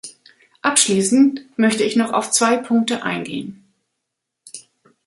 Abschließend möchte ich noch auf zwei Punkte eingehen.